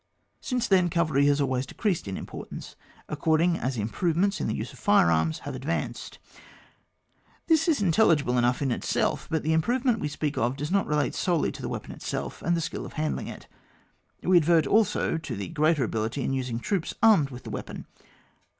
Since then cavalry has always de creased in importance according as im provements in the use of fire arms have advanced. This is intelligible enough in itself, but the' improvement we speak of does not relate solely to the weapon itself and the skill in handliog it ; we advert also to greater ability in using troops armed with this weapon.